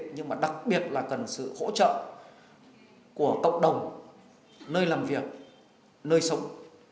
nhưng mà đặc biệt là cần sự hỗ trợ của cộng đồng nơi làm việc nơi sống